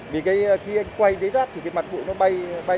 vì cái khi anh quay dưới rác thì cái mạt bụi nó bay